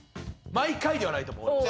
毎回ではないと思う。